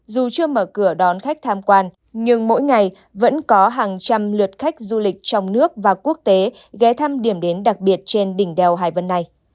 dù chưa mở cửa đón khách tham quan nhưng mỗi ngày vẫn có hàng trăm lượt khách du lịch trong nước và quốc tế ghé thăm điểm đến đặc biệt trên đỉnh đèo hải vân này